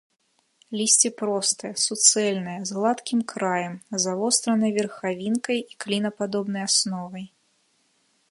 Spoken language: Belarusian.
Лісце простае, суцэльнае, з гладкім краем, завостранай верхавінкай і клінападобнай асновай.